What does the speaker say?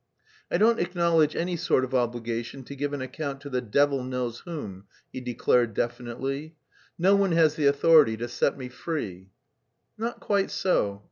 "I don't acknowledge any sort of obligation to give an account to the devil knows whom," he declared definitely. "No one has the authority to set me free." "Not quite so.